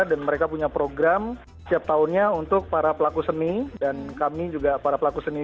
dan mereka punya program setiap tahunnya untuk para pelaku seni dan kami juga para pelaku seni